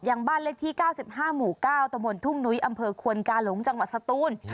ยังบ้านเลขที่๙๕หมู่๙ตะมนต์ทุ่งนุ้ยอำเภอควนกาหลงจังหวัดสตูน